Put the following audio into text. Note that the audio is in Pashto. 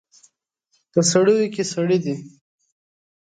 په سړیو کې سړي دي